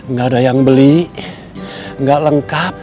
nggak ada yang beli nggak lengkap